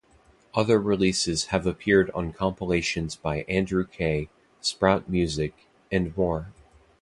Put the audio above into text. Other releases have appeared on compilations by Andrew K, Sprout Music, and more.